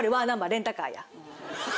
レンタカーや。